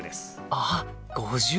あっ５０。